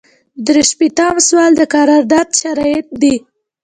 درې شپیتم سوال د قرارداد شرایط دي.